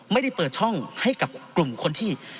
ไม่ได้เปิดช่องให้กับกลุ่มคนที่